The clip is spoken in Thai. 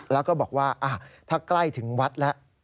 แล้วก็บอกว่าถ้าใกล้ถึงวัดแล้ว